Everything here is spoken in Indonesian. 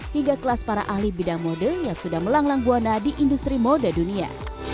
hingga kelas para ahli bidang mode yang sudah melanglang buana di industri mode dunia